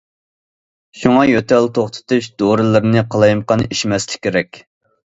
شۇڭا يۆتەل توختىتىش دورىلىرىنى قالايمىقان ئىچمەسلىك كېرەك.